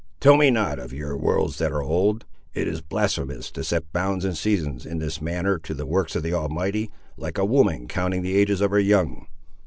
Tell me not of your worlds that are old! it is blasphemous to set bounds and seasons, in this manner, to the works of the Almighty, like a woman counting the ages of her young."